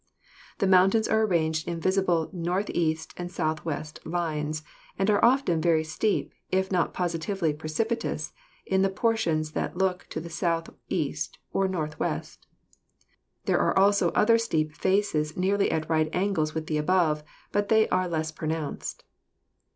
The mountains are ar ranged in visible northeast and southwest lines, and are often very steep if not positively precipitous in the portions that look to the southeast or northwest. There are also other steep faces nearly at right angles with the above, but they are less pronounced."